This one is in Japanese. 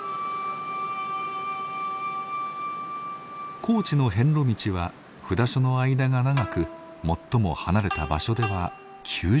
高知の遍路道は札所の間が長く最も離れた場所では９０キロ。